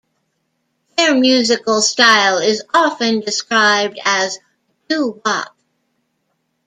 Their musical style is often described as doo-wop.